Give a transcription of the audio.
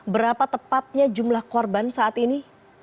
berapa tepatnya jumlah korban saat ini